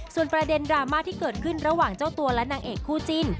ส่วนประเด็นดราม่าที่เกิดขึ้นระหว่างเจ้าตัวและนางเอกคู่จิ้น